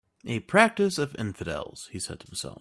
"A practice of infidels," he said to himself.